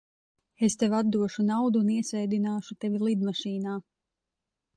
Es tev atdošu naudu un iesēdināšu tevi lidmašīnā.